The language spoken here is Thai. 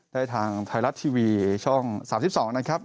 ทางไทยรัฐทีวีช่อง๓๒นะครับ